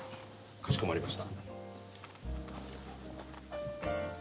かしこまりました。